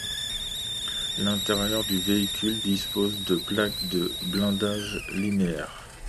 L'intérieur du véhicule dispose de plaques de blindage linéaire.